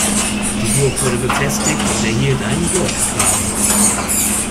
Die Burg wurde befestigt und erhielt einen Burggraben.